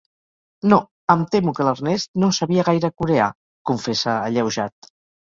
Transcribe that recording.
No, em temo que l'Ernest no sabia gaire coreà —confessa alleujat—.